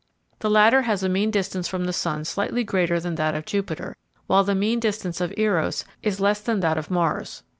The latter has a mean distance from the sun slightly greater than that of Jupiter, while the mean distance of Eros is less than that of Mars.